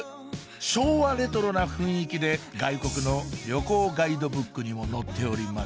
昭和レトロな雰囲気で外国の旅行ガイドブックにも載っております